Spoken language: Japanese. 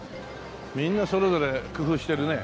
みんなそれぞれ工夫してるね。